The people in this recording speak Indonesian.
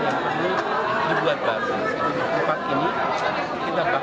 dan kami yakin di banyak tempat kita seragam